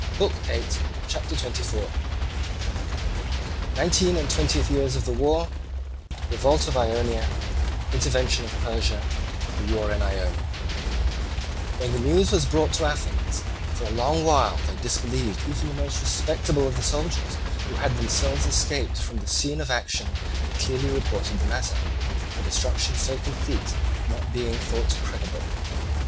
BOOK VIII CHAPTER XXIV Nineteenth and Twentieth Years of the War—Revolt of Ionia— Intervention of Persia—The War in Ionia When the news was brought to Athens, for a long while they disbelieved even the most respectable of the soldiers who had themselves escaped from the scene of action and clearly reported the matter, a destruction so complete not being thought credible.